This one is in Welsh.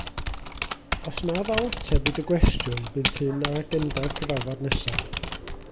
Os na ddaw ateb i dy gwestiwn, bydd hyn ar agenda'r cyfarfod nesaf.